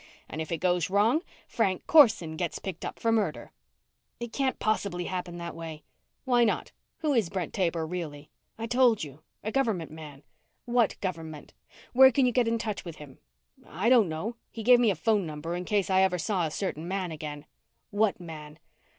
And if it goes wrong, Frank Corson gets picked up for murder." "It can't possibly happen that way." "Why not? Who is Brent Taber, really?" "I told you a government man." "What government? Where can you get in touch with him?" "I don't know. He gave me a phone number in case I ever saw a certain man again." "What man?"